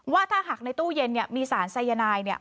ว่าถ้าหากในตู้เย็นเนี่ยมีสารสายนายเนี่ย